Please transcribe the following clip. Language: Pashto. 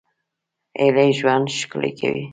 هیلې ژوند ښکلی کوي